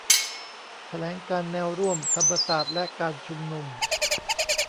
แถลงการณ์แนวร่วมธรรมศาสตร์และการชุมนุม